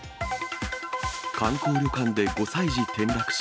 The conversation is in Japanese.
観光旅館で５歳児転落死。